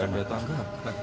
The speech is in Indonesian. tidak ada tanggapan